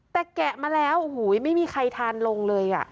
แต่แกะมาแล้วโอ้โหไม่มีใครทานลงเลย